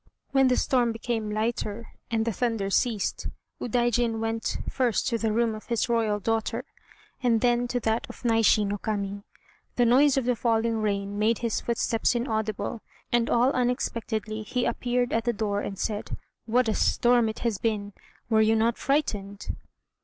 When the storm became lighter and the thunder ceased, Udaijin went first to the room of his royal daughter, and then to that of Naishi no Kami. The noise of the falling rain made his footsteps inaudible, and all unexpectedly he appeared at the door and said: "What a storm it has been! Were you not frightened?"